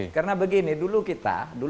karena begini dulu kita